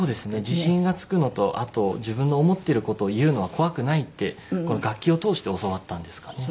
自信がつくのとあと自分の思ってる事を言うのは怖くないってこの楽器を通して教わったんですかね。